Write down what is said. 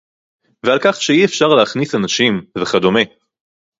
ועל כך שאי-אפשר להכניס אנשים וכדומה